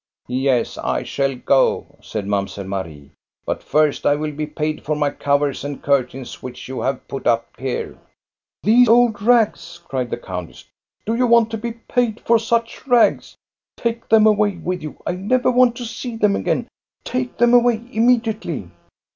" Yes, I shall go," said Mamselle Marie ;" but first I will be paid for my covers and curtains which you have put up here." " The old rags !" cried the countess. " Do you want to be paid for such rags? Take them away with you ! I never want to see them again I Take them away immediately